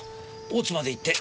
大津まで行って。